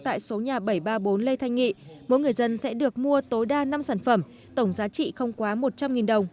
tại số nhà bảy trăm ba mươi bốn lê thanh nghị mỗi người dân sẽ được mua tối đa năm sản phẩm tổng giá trị không quá một trăm linh đồng